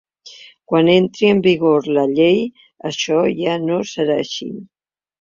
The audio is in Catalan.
Quan entri en vigor la llei, això ja no serà així.